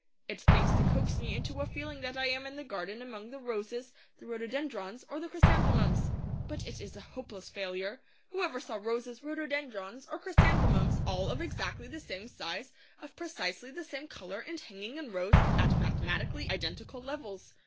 It thinks to coax me into a feeling that I am in the garden among the roses, the rhododendrons, or the chrysanthemums. But it is a hopeless failure. Whoever saw roses, rhododendrons, or chrysanthemums, all of exactly the same size, of precisely the same colour, and hanging in rows at mathematically identical levels?